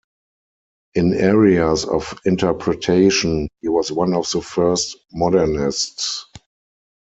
In areas of interpretation he was one of the first modernists.